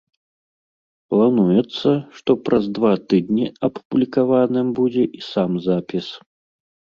Плануецца, што праз два тыдні апублікаваным будзе і сам запіс.